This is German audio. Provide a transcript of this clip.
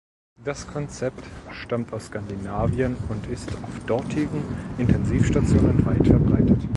Das Konzept stammt aus Skandinavien und ist auf dortigen Intensivstationen weit verbreitet.